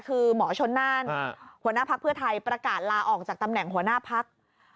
คือหมอชนน่านหัวหน้าพักเพื่อไทยประกาศลาออกจากตำแหน่งหัวหน้าพัก